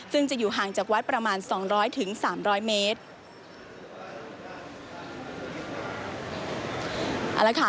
ซึ่งจะอยู่ห่างจากวัดประมาณ๒๐๐๓๐๐เมตร